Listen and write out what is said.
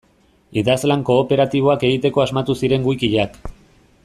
Idazlan kooperatiboak egiteko asmatu ziren wikiak.